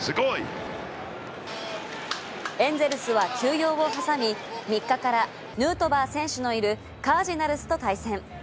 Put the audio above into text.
エンゼルスは休養をはさみ、３日からヌートバー選手のいるカージナルスと対戦。